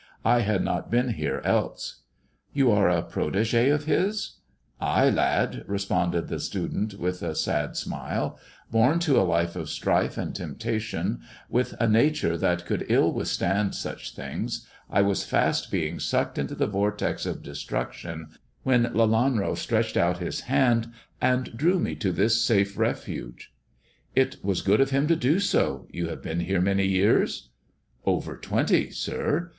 I had not been here else." " You are a protege of his ]" "Ay, lad," responded the student with a sad smile; " bom to a life of strife and temptation, with a nature that could ill withstand such things, I was fast being sucked into the vortex of destruction when Lelanro stretched out his hand and drew me to this safe refuge." "It was good of him to do so. You have been here many years 1 "" Over twenty, sir.